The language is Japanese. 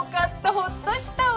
ホッとしたわ。